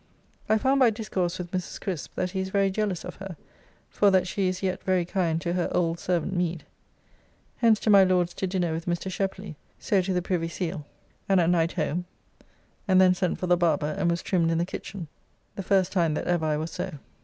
I found by discourse with Mrs. Crisp that he is very jealous of her, for that she is yet very kind to her old servant Meade. Hence to my Lord's to dinner with Mr. Sheply, so to the Privy Seal; and at night home, and then sent for the barber, and was trimmed in the kitchen, the first time that ever I was so.